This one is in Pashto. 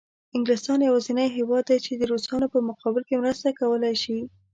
انګلستان یوازینی هېواد دی چې د روسانو په مقابل کې مرسته کولای شي.